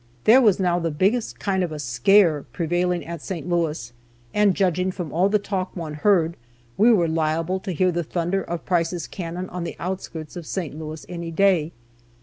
There was now the biggest kind of a "scare" prevailing in St. Louis, and, judging from all the talk one heard, we were liable to hear the thunder of Price's cannon on the outskirts of St. Louis any day.